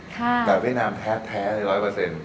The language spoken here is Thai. แต่เวียดนามแท้เลย๑๐๐